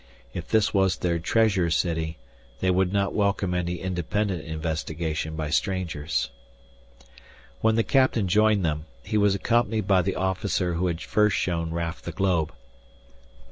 If this was their treasure city, they would not welcome any independent investigation by strangers. When the captain joined them, he was accompanied by the officer who had first shown Raf the globe.